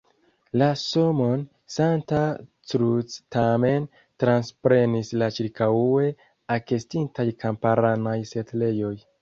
La nomon "Santa Cruz" tamen transprenis la ĉirkaŭe ekestintaj kamparanaj setlejoj.